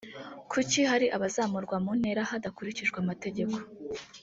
Kuki hari abazamurwa mu ntera hadakurikijwe amategeko